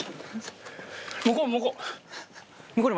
向こう向こう！